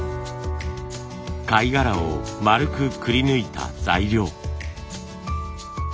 貝殻を丸くくり抜いた材料。